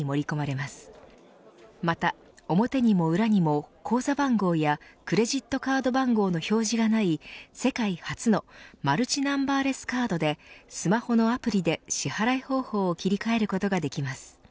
また、表にも裏にも口座番号やクレジットカード番号の表示がない世界初のマルチナンバーレスカードでスマホのアプリで、支払い方法を切り替えることができます。